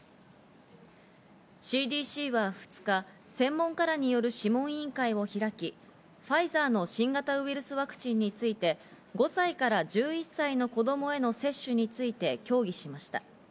ＣＤＣは２日、専門家らによる諮問委員会を開き、ファイザーの新型ウイルスワクチンについて５歳から１１歳の子供への接種について協議をしました。